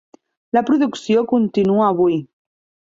La producció continua avui.